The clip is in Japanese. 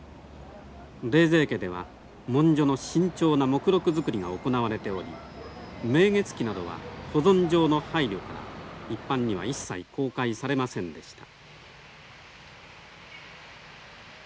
冷泉家では文書の慎重な目録作りが行われており「明月記」などは保存上の配慮から一般には一切公開されませんでした。